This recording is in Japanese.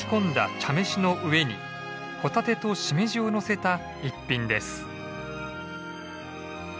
茶飯の上にホタテとシメジをのせた逸品です。